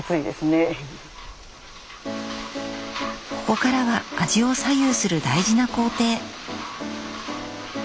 ここからは味を左右する大事な工程。